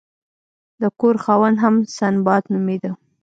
د کور خاوند هم سنباد نومیده.